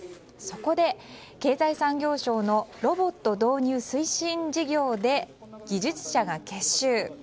そこで経済産業省のロボット導入推進事業で技術者が結集。